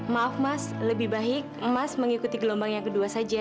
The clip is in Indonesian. maaf mas lebih baik emas mengikuti gelombang yang kedua saja